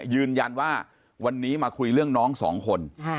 ยืนยันว่าวันนี้มาคุยเรื่องน้องสองคน